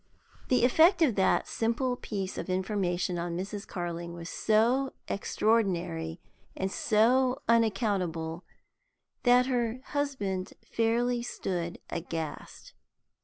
The effect of that simple piece of information on Mrs. Carling was so extraordinary and so unaccountable that her husband fairly stood aghast.